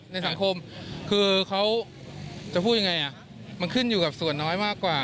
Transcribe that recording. ในสังคมคือเขาจะพูดยังไงมันขึ้นอยู่กับส่วนน้อยมากกว่า